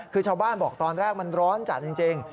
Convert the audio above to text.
คือชาวบ้านบอกตอนแรกมันร้อนจัดจริง